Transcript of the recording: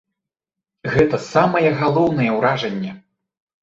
Гэта самае галоўнае ўражанне.